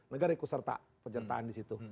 negara ikut serta penyertaan di situ